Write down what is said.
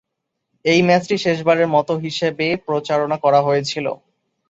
এই ম্যাচটি "শেষবারের মতো" হিসেবে প্রচারণা করা হয়েছিল।